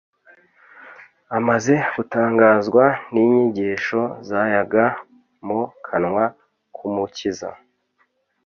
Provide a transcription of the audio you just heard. Amaze gutangazwa n'inyigisho zayaga mu kanwa k'Umukiza,